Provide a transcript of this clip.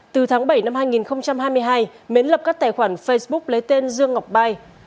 từ tháng bảy năm hai nghìn hai mươi hai mến lập các tài khoản facebook lấy tên dương ngọc mai